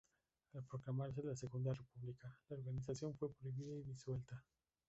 Al proclamarse la Segunda República, la organización fue prohibida y disuelta.